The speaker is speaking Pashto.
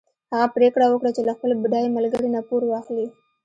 هغه پرېکړه وکړه چې له خپل بډای ملګري نه پور واخلي.